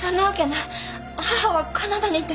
母はカナダにいて。